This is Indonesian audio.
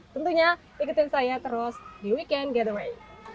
tentunya ikutin saya terus di weekend getaway